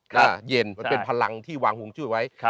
แช่นวันเป็นพลังที่วางห่วงจุดไว้